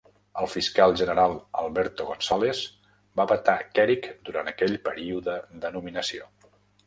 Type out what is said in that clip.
El fiscal general Alberto Gonzales va vetar Kerik durant aquell període de nominació.